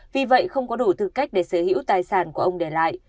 vì vậy không có đủ tư cách để sở hữu tài sản của ông để lại